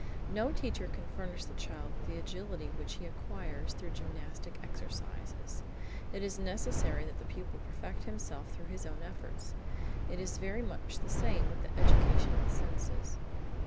No teacher can furnish the child with the agility which he acquires through gymnastic exercises: it is necessary that the pupil perfect himself through his own efforts. It is very much the same with the education of the senses.